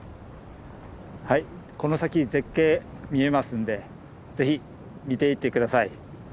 はいこの先絶景見えますんでぜひ見ていって下さい。